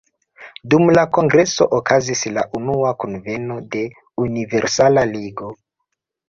Dum la kongreso okazis la unua kunveno de "Universala Ligo".